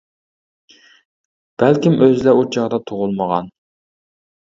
بەلكىم ئۆزلە ئۇ چاغدا تۇغۇلمىغان.